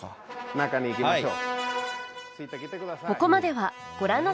中に行きましょう。